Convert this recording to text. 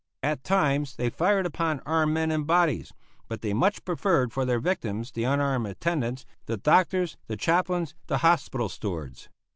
At times they fired upon armed men in bodies, but they much preferred for their victims the unarmed attendants, the doctors, the chaplains, the hospital stewards.